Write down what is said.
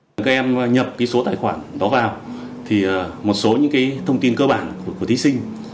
các em nhập số tài khoản đó vào một số thông tin cơ bản của thí sinh